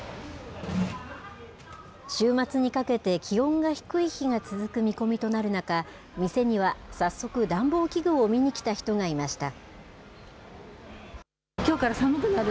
週末にかけて気温が低い日が続く見込みとなる中、店には早速、暖房器具を見に来た人がいました。